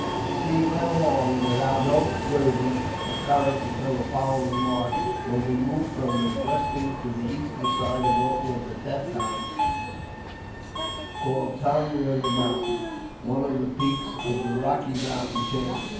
WE went along without noteworthy occurrence until the following March, when we moved from the western to the eastern side of what was at that time called Tongue Biver Mountain, one of the peaks of the Eocky Mountain chain.